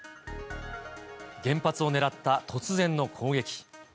原発を狙った突然の攻撃。